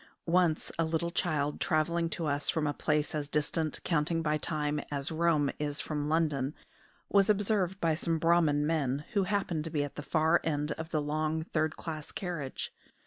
Once a little child, travelling to us from a place as distant, counting by time, as Rome is from London, was observed by some Brahman men, who happened to be at the far end of the long third class carriage.